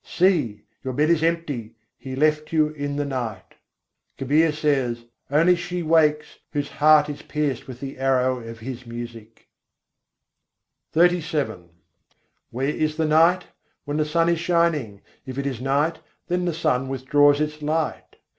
See! your bed is empty: He left you in the night. Kabîr says: "Only she wakes, whose heart is pierced with the arrow of His music." XXXVII I. 36. sûr parkâs', tanh rain kahân pâïye Where is the night, when the sun is shining? If it is night, then the sun withdraws its light.